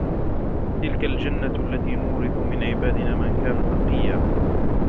تلك الجنة التي نورث من عبادنا من كان تقيا